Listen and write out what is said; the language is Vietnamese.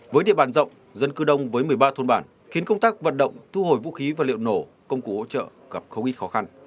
với địa bàn rộng dân cư đông với một mươi ba thôn bản khiến công tác vận động thu hồi vũ khí và liệu nổ công cụ hỗ trợ gặp không ít khó khăn